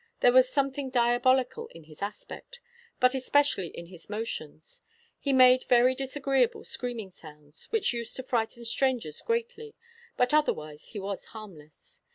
There was something diabolical in his aspect,' but especially in his motions. He 'made very disagreeable screaming sounds,' which used to frighten strangers greatly, but otherwise he was harmless.